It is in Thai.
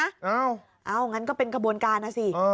อ้าวอ้าวงั้นก็เป็นกระบวนการน่ะสิ